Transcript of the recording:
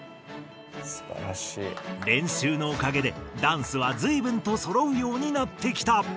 練習のおかげでダンスはずいぶんとそろうようになってきた。